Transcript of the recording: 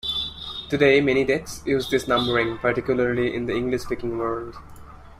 Today many decks use this numbering, particularly in the English-speaking world.